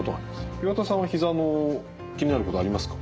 岩田さんはひざの気になることありますか？